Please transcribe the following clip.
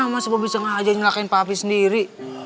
enggak mas bobi sengaja nyalahkan papi sendiri